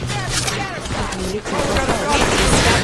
Iḥemmel-ikent aṭas.